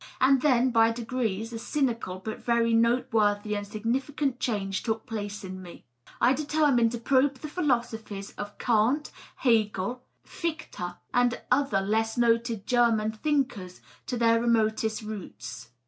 And then, by degrees, a cynical but very note worthy and significant change took place in me. I determined to probe the philosophies of Kant, Hegel, Fichte, and other less noted German thinkers to their remotest roots.